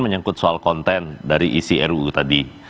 menyangkut soal konten dari isi ruu tadi